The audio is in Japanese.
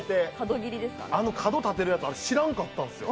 あの角立てるやつ、あれ知らんかったんすよ。